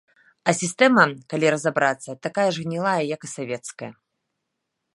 А сістэма, калі разабрацца, такая ж гнілая, як і савецкая.